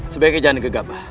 sebagai jalan gegap